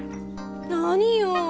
何よ！